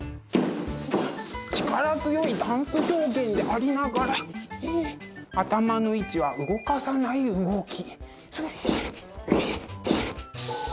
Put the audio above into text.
力強いダンス表現でありながらはあ頭の位置は動かさない動き。